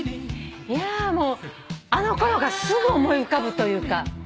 いやもうあのころがすぐ思い浮かぶというか。